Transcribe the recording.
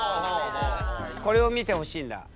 これを見てほしいんだ。